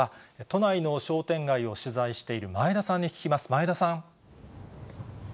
都内の商店街を取材している前田さんに聞きます。